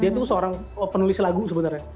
dia tuh seorang penulis lagu sebenarnya